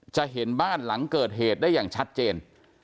เห็นบ้านหลังเกิดเหตุได้อย่างชัดเจน